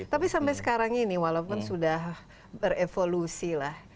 tapi sampai sekarang ini walaupun sudah berevolusi lah